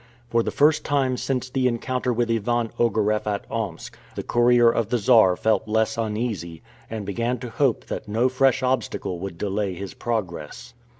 For the first time since the encounter with Ivan Ogareff at Omsk, the courier of the Czar felt less uneasy, and began to hope that no fresh obstacle would delay his progress.